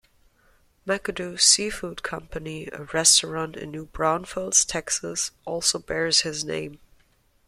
McAdoo's Seafood Company, a restaurant in New Braunfels, Texas, also bears his name.